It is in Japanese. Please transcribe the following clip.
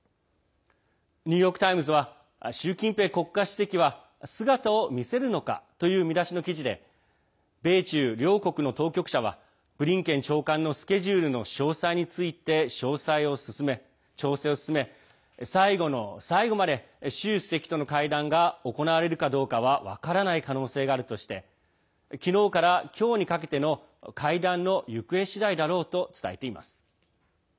ニューヨーク・タイムズは「習近平国家主席は姿を見せるのか」という見出しの記事で米中両国の当局者はブリンケン長官のスケジュールの詳細について調整を進め、最後の最後まで習主席との会談が行われるかどうかは分からない可能性があるとして昨日から今日にかけての会談の行方次第だろうと伝えています。